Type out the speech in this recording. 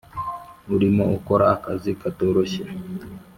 urimo ukora akazi katoroshye